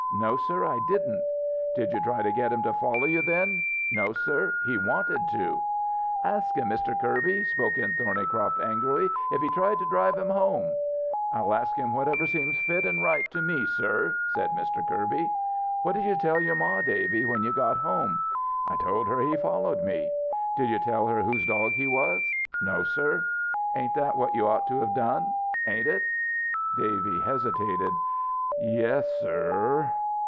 "No, sir, I didn't." "Did you try to get him to follow you then?" "No, sir, he wanted to." "Ask him, Mr. Kirby," broke in Thornycroft angrily, "if he tried to drive him home!" "I'll ask him whatever seems fit an' right to me, sir," said Mr. Kirby. "What did you tell your ma, Davy, when you got home?" "I told her he followed me." "Did you tell her whose dog he was? "No, sir." "Ain't that what you ought to have done? Ain't it?" Davy hesitated. "Yes, sir."